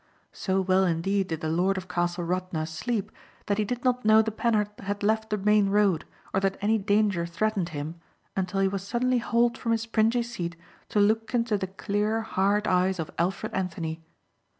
So well indeed did the lord of Castle Radna sleep that he did not know the Panhard had left the main road or that any danger threatened him until he was suddenly hauled from his springy seat to look into the clear, hard eyes of Alfred Anthony.